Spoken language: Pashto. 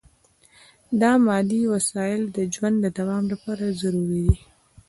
دا مادي وسایل د ژوند د دوام لپاره ضروري دي.